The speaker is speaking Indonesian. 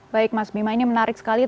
baik mas bima ini menarik sekali